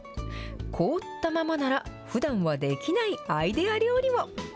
凍ったままなら、ふだんはできないアイデア料理も。